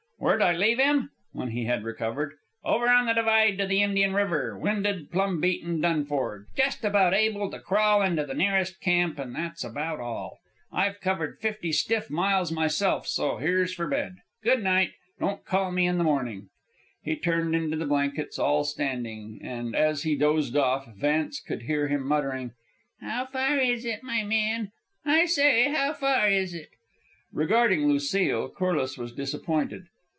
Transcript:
"Where'd I leave 'm?" when he had recovered. "Over on the divide to Indian River, winded, plum beaten, done for. Just about able to crawl into the nearest camp, and that's about all. I've covered fifty stiff miles myself, so here's for bed. Good night. Don't call me in the mornin'." He turned into the blankets all standing, and as he dozed off Vance could hear him muttering, "How far is it, my man? I say, how far is it?" Regarding Lucile, Corliss was disappointed.